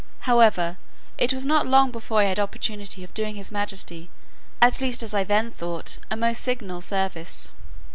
However, it was not long before I had an opportunity of doing his majesty, at least as I then thought, a most signal service.